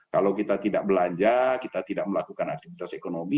kalau kita tidak belanja kita tidak melakukan aktivitas ekonomi